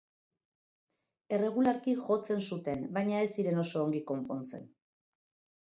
Erregularki jotzen zuten, baina ez ziren oso ongi konpontzen.